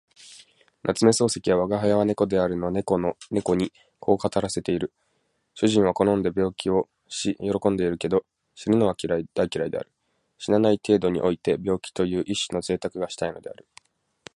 夏目漱石は吾輩は猫であるの猫にこう語らせている。主人は好んで病気をし喜んでいるけど、死ぬのは大嫌いである。死なない程度において病気という一種の贅沢がしたいのである。